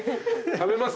食べます。